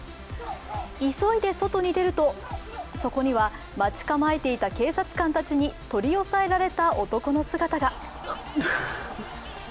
急いで外に出ると、そこには待ち構えていた警察官たちに取り押さえられた男の姿が。